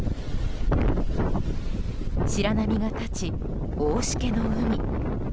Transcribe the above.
白波が立ち、大しけの海。